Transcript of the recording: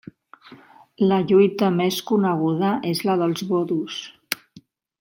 La lluita més coneguda és la dels bodos.